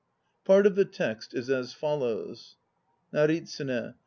Part of the text is as follows: NARITSUNE.